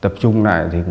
tập trung lại